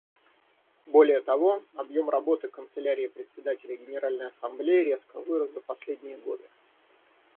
Более того, объем работы Канцелярии Председателя Генеральной Ассамблеи резко возрос за последние годы.